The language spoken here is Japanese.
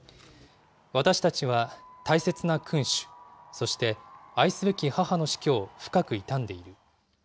私たちは大切な君主、そして愛すべき母の死去を深く悼んでいる。